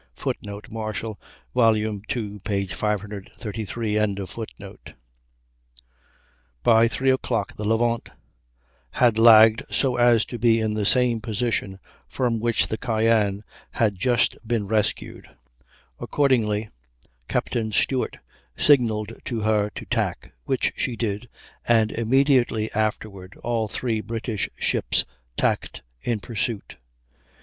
[Footnote: Marshal, ii, 533. ] By three o'clock the Levant had lagged so as to be in the same position from which the Cyane had just been rescued; accordingly Captain Stewart signalled to her to tack, which she did, and immediately afterward all three British ships tacked in pursuit.